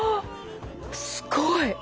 すごい！